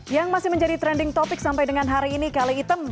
yang masih menjadi trending topic sampai dengan hari ini kali item